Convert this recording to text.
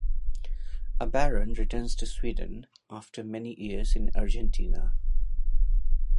A baron returns to Sweden after many years in Argentina.